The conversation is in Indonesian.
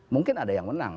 mungkin ada yang menang